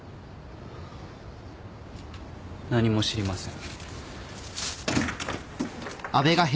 何も知りません。